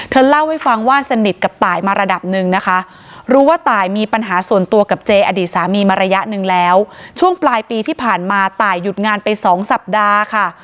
เล่าให้ฟังว่าสนิทกับตายมาระดับหนึ่งนะคะรู้ว่าตายมีปัญหาส่วนตัวกับเจอดีตสามีมาระยะหนึ่งแล้วช่วงปลายปีที่ผ่านมาตายหยุดงานไปสองสัปดาห์ค่ะ